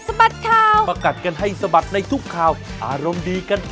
สวัสดีค่ะ